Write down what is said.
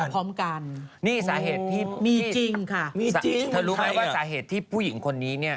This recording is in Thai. ก็พ่อเจิดพ่อเจิดเพิ่งเสีย